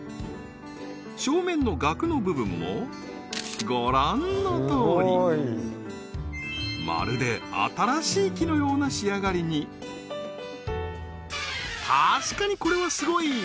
正面の額の部分もご覧のとおりまるで新しい木のような仕上がりに確かにこれはすごい！